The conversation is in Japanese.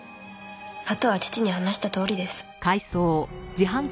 あとは父に話したとおりです。